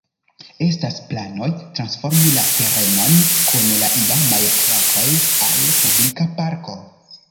Estas planoj transformi la terenon kun la iamaj trakoj al publika parko.